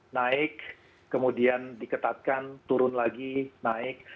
naik kemudian diketatkan turun lagi naik